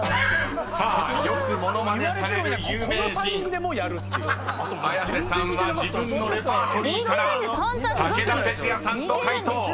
［さあよく物まねされる有名人綾瀬さんは自分のレパートリーから武田鉄矢さんと解答］